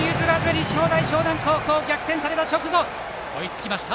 立正大淞南高校逆転された直後に追いつきました。